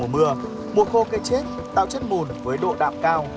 mùa khô cây chết tạo chất mùn với độ đạm cao